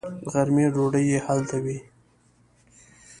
د غرمې ډوډۍ یې هلته وي.